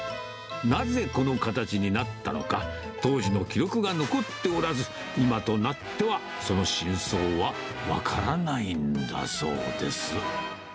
なぜこの形になったのか、当時の記録が残っておらず、今となっては、その真相は分からないんだそうです。